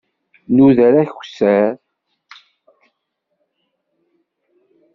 Nuder akessar.